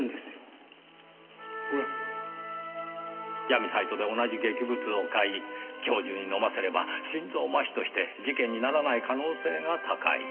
闇サイトで同じ劇物を買い教授に飲ませれば心臓麻痺として事件にならない可能性が高い。